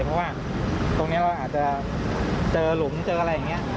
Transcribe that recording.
เพราะว่าตรงนี้เราอาจจะเจอหลุมเจออะไรอย่างนี้